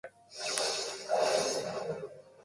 日本のウルトラマンは弱いな